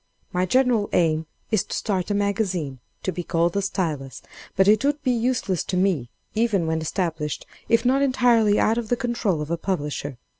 "My general aim is to start a Magazine, to be called 'The Stylus,' but it would be useless to me, even when established, if not entirely out of the control of a publisher.